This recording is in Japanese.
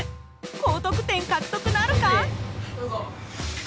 高得点獲得なるか？